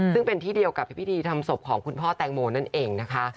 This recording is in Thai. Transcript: ซึ่งเป็นที่เดียวกับพิธีทำศพของคุณพ่อแตงโมนั่นเองนะคะ